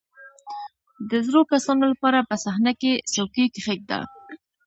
• د زړو کسانو لپاره په صحنه کې څوکۍ کښېږده.